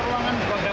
di ruangan kapur